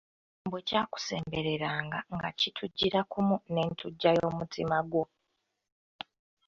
Bwe kyakusembereranga nga kittujira kumu n’entujja y’omutima gwo.